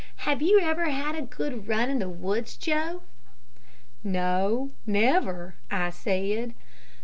Have you ever had a good run in the woods, Joe?" "No, never," I said.